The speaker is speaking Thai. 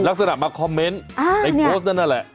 ลักษณะมาคอมเมนต์ในโพสต์นั้นนั่นแหละ